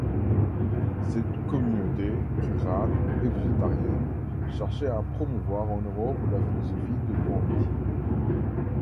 Cette communauté, rurale et végétarienne, cherchait à promouvoir en Europe la philosophie de Gandhi.